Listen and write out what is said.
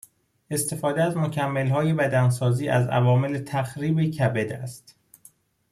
استفاده از مکملهای بدنسازی از عوامل تخریب کبد است